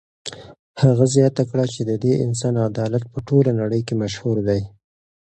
هغه زیاته کړه چې د دې انسان عدالت په ټوله نړۍ کې مشهور دی.